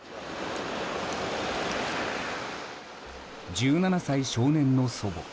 １７歳少年の祖母